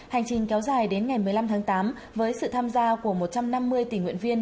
hành trình kéo dài đến ngày một mươi năm tháng tám với sự tham gia của một trăm năm mươi tình nguyện viên